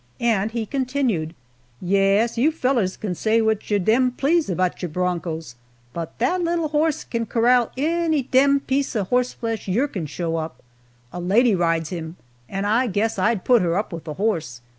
And he continued, "Yes, you fellers can say what yer dern please about yer broncos, but that little horse can corral any dern piece of horseflesh yer can show up. A lady rides him, and I guess I'd put her up with the horse.